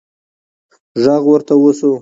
غږ ورته وشو: